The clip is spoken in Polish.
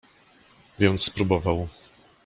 Więc spróbował.